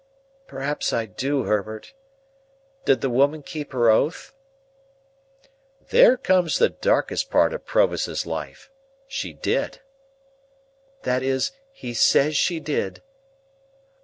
"Perhaps I do, Herbert. Did the woman keep her oath?" "There comes the darkest part of Provis's life. She did." "That is, he says she did."